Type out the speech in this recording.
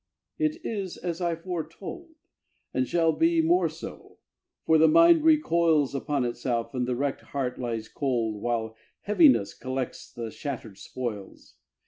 it is as I foretold, And shall be more so; for the mind recoils Upon itself, and the wrecked heart lies cold, While Heaviness collects the shattered spoils.